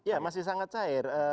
ya masih sangat cair